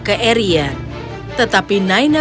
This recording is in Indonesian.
ke arion tetapi naina